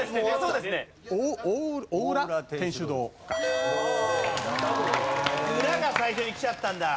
「うら」が最初にきちゃったんだ。